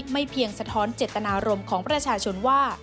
ไม่เพียงสะท้อนเจตนารมณ์ของประชาชนว่า